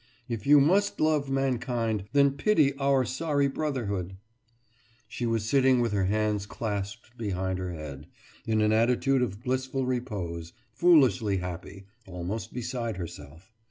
If you must love mankind, then pity our sorry brotherhood.« She was sitting with her hands clasped behind her head, in an attitude of blissful repose, foolishly happy, almost beside herself.